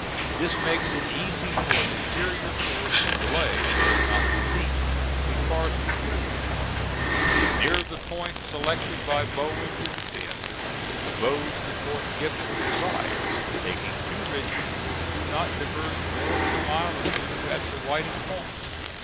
This makes it easy for an inferior force to delay, if not defeat, a far superior one. Near the point selected by Bowen to defend, the road to Port Gibson divides, taking two ridges which do not diverge more than a mile or two at the widest point.